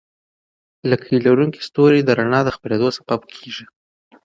لکۍ لرونکي ستوري د رڼا د خپرېدو سبب کېږي.